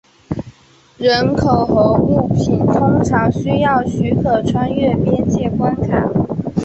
人口和物品通常需要许可穿越边界关卡。